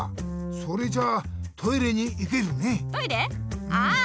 それじゃあトイレに行けるね！